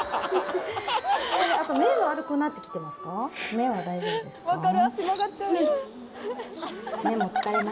目は大丈夫ですか？